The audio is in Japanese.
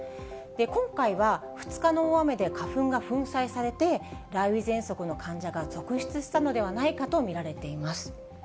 今回は２日の大雨で花粉が粉砕されて、雷雨ぜんそくの患者が続出したのではないかと見られています。